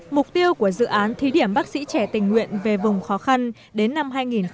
mục tiêu của dự án thí điểm bác sĩ trẻ tình nguyện về vùng khó khăn đến năm hai nghìn ba mươi